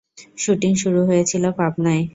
Shooting শুরু হয়েছিল পাবনায়।